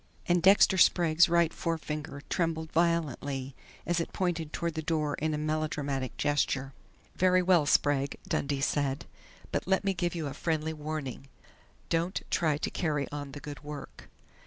and Dexter Sprague's right forefinger trembled violently as it pointed toward the door in a melodramatic gesture. "Very well, Sprague," Dundee said. "But let me give you a friendly warning. _Don't try to carry on the good work.